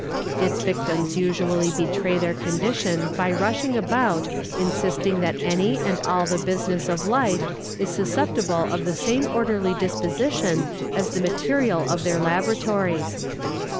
Its victims usually betray their condition by rushing about insisting that any and all the business of life is susceptible of the same orderly disposition as the material of their laboratories.